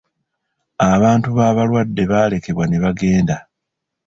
Abantu b'abalwadde baalekebwa ne bagenda.